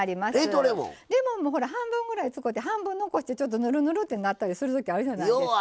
レモンもほら半分ぐらい使て半分残してちょっとぬるぬるってなったりする時あるじゃないですか。